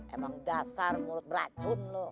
emang dasar ngurut beracun lu